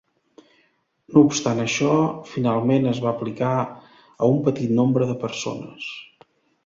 No obstant això, finalment es va aplicar a un petit nombre de persones.